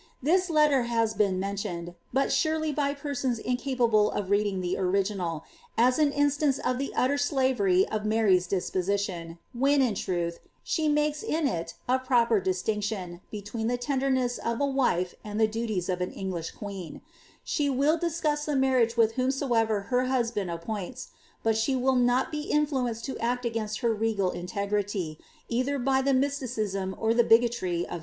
This letter has been menlioneJ (but surely by persons incapable of reading the original) as an instance of the utter slavery of Mary's disposition, when, in truth, she makes in i( u proper distinction,, between the tenderness of a wife and the duties of an English queen. She will discuss the marriage with whomsoever her husband appoints; but she will tiot be inHuenccd lo act ogBinsI her regal inle^ty, either by the mysticism or the bigotry of his friars. She iiieatie ti> leave ■ Alphonso di Caslro was kin^ the English persecntioa.